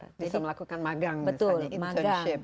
jadi melakukan magang misalnya internship ya